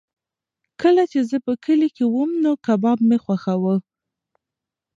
کله چې زه په کلي کې وم نو کباب مې خوښاوه.